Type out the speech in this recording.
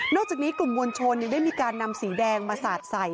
จากนี้กลุ่มมวลชนยังได้มีการนำสีแดงมาสาดใส่